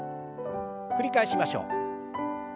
繰り返しましょう。